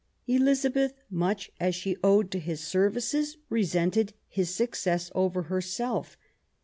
Elizabeth, much as she owed to his services, resented his success over herself.